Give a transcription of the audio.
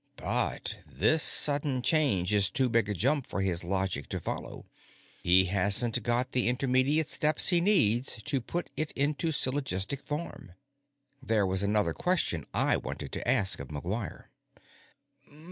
But this sudden change is too big a jump for his logic to follow; he hasn't got the intermediate steps he needs to put it into syllogistic form." There was another question I wanted to ask of McGuire.